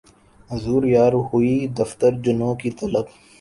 حضور یار ہوئی دفتر جنوں کی طلب